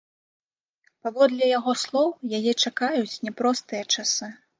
Паводле яго слоў, яе чакаюць няпростыя часы.